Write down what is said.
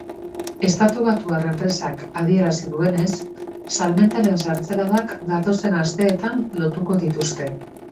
Estatubatuar enpresak adierazi duenez, salmentaren zertzeladak datozen asteetan lotuko dituzte.